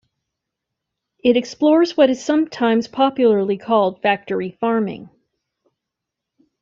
It explores what is sometimes popularly called factory farming.